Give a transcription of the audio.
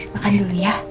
makan dulu ya